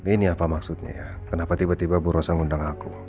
ini apa maksudnya ya kenapa tiba tiba bu rosa ngundang aku